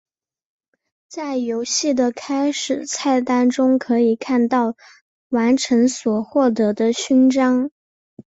在游戏的开始菜单中可以看到完成所获得的勋章。